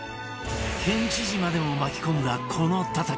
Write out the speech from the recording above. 県知事までも巻き込んだこの戦い